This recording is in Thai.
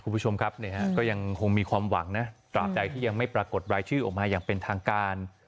คุณผู้ชมครับก็ยังคงมีความหวังนะตราบใดที่ยังไม่ปรากฏรายชื่อออกมาอย่างเป็นทางการ